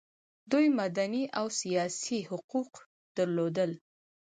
دوی مدني او سیاسي حقوق درلودل.